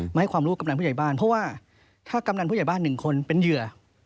มาให้ความรู้กำนันผู้ใหญ่บ้านเพราะว่าถ้ากำนันผู้ใหญ่บ้านหนึ่งคนเป็นเหยื่อ